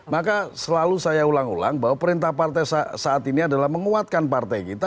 maka selalu saya ulang ulang bahwa perintah partai saat ini adalah menguatkan partai kita